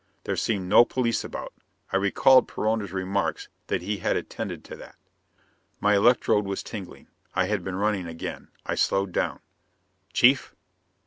There seemed no police about. I recalled Perona's remark that he had attended to that. My electrode was tingling. I had been running again. I slowed down. "Chief?"